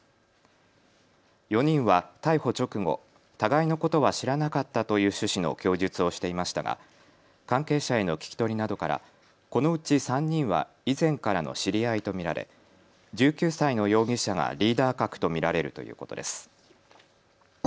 ４人は逮捕直後、互いのことは知らなかったという趣旨の供述をしていましたが、関係者への聞き取りなどからこのうち３人は以前からの知り合いと見られ１９歳の容疑者がリーダー格と見られるということです。